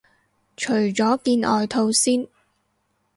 除咗件外套先